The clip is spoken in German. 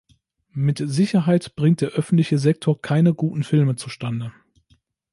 Mit Sicherheit bringt der öffentliche Sektor keine guten Filme zustande.